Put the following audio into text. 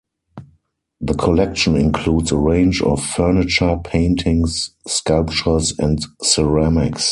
The collection includes a range of furniture, paintings, sculptures and ceramics.